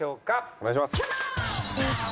お願いします。